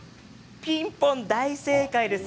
ピンポン大正解です。